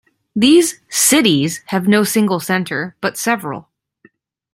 These "cities" have no single centre, but several.